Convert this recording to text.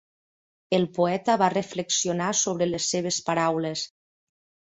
El poeta va reflexionar sobre les seves paraules.